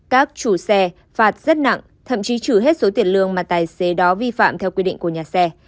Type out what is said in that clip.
các chủ xe phạt rất nặng thậm chí chửi hết số tiền lương mà tài xế đó vi phạm theo quy định của nhà xe